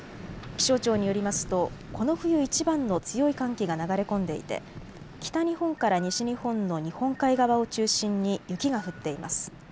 気象庁によりますとこの冬いちばんの強い寒気が流れ込んでいて北日本から西日本の日本海側を中心に雪が降っています。